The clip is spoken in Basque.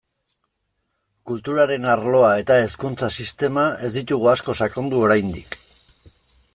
Kulturaren arloa eta hezkuntza sistema ez ditugu asko sakondu oraindik.